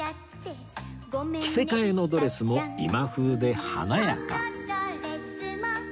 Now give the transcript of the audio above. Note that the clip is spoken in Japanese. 着せ替えのドレスも今風で華やか！